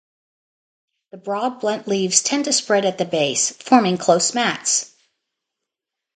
The broad, blunt leaves tend to spread at the base, forming close mats.